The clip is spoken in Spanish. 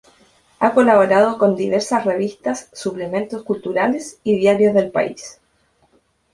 Ha colaborado con diversas revistas, suplementos culturales y diarios del país.